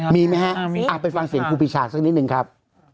มีมั้ยเขาไปฟังเสียงครูปีชาสักนิดหนึ่งครับ